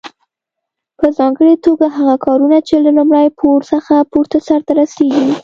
په ځانګړي توګه هغه کارونه چې له لومړي پوړ څخه پورته سرته رسیږي.